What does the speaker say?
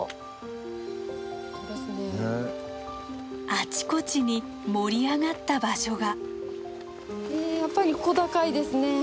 あちこちに盛り上がった場所が。